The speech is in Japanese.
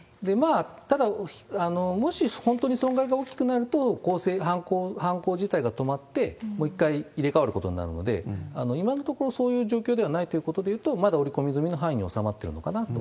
ただ、もし本当に損害が大きくなると、反攻自体が止まって、もう一回入れ替わることになるので、今のところそういう状況ではないということでいうと、まだ織り込み済みの範囲に収まってるのかなと。